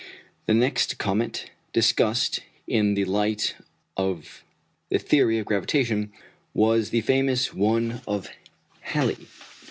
] The next comet discussed in the light of the theory of gravitation was the famous one of Halley.